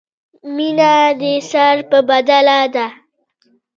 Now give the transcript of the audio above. مینه دې سر په بدله ده.